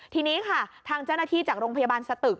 ทีนี้ค่ะทางเจ้าหน้าที่จากโรงพยาบาลสตึก